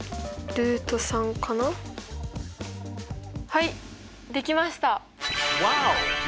はいできました。